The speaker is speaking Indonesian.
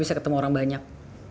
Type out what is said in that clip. bisa ketemu orang banyak